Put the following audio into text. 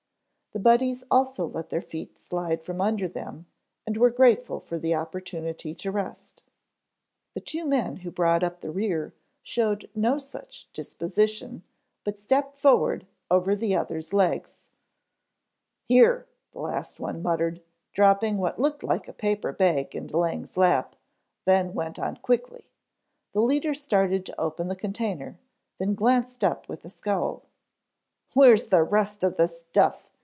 The Buddies also let their feet slide from under them and were grateful for the opportunity to rest. The two men who brought up the rear showed no such disposition, but stepped forward over the other's legs. "Here," the last one muttered, dropping what looked like a paper bag into Lang's lap, then went on quickly. The leader started to open the container, then glanced up with a scowl. "Where's the rest of the stuff?"